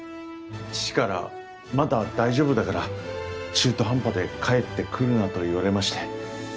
父から「まだ大丈夫だから中途半端で帰ってくるな」と言われまして。